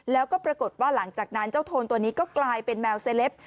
แล้วก็ปรากฏว่าหลังจากนั้นเจ้าโทนตัวนี้ก็กลายเป็นแมวเซลป